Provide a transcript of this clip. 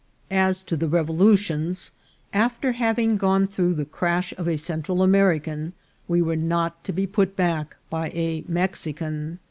As to the revolutions, after having gone through the crash of a Central American, we were not to be put back by a Mexican.